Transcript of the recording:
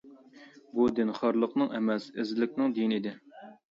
بۇ دىن خارلىقنىڭ ئەمەس، ئەزىزلىكنىڭ دىنى ئىدى.